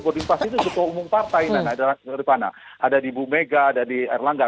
boarding pass itu di kau umum partai ada di bumega ada di erlangga